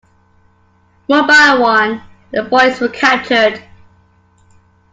One by one the boys were captured.